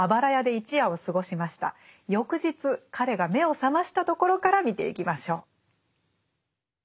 翌日彼が目を覚ましたところから見ていきましょう。